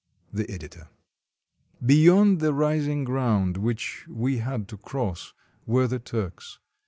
The Editor.] Beyond the rising ground which we had to cross were the Turks.